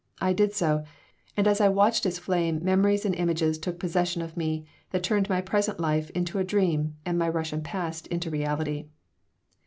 I did so, and as I watched its flame memories and images took possession of me that turned my present life into a dream and my Russian past into reality.